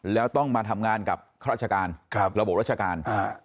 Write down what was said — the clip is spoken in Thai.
แล้วต้องมาทำงานกับครับระบบรัฐกาล